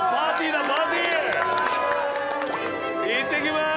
いってきます。